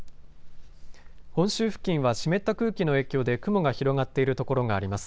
本州付近は湿った空気の影響で雲が広がっている所があります。